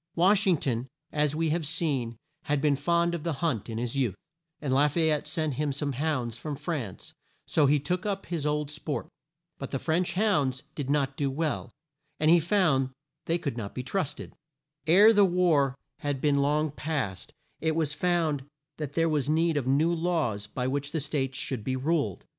Wash ing ton, as we have seen, had been fond of the hunt in his youth, and La fay ette sent him some hounds from France, so he took up his old sport. But the French hounds did not do well, and he found they could not be trusted. Ere the war had been long past, it was found that there was need of new laws by which the States should be ruled.